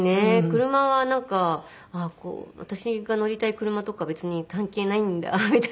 車はなんか私が乗りたい車とか別に関係ないんだみたいな。